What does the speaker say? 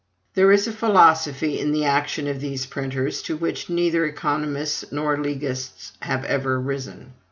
There is a philosophy in the action of these printers, to which neither economists nor legists have ever risen.